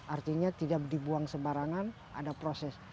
artinya tidak dibuang sembarangan ada proses